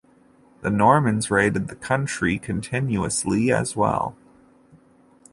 The Normans raided the country continuously as well.